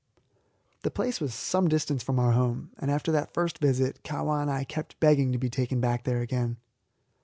The place was some distance from our home, and after that first visit Kahwa and I kept begging to be taken there again.